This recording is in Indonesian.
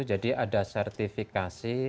jadi ada sertifikasi